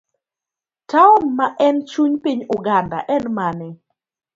taon ma en chuny piny Uganda en mane?